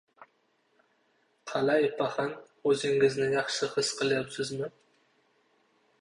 — Qalay, paxan, o‘zingizni yaxshi his qilyapsizmi?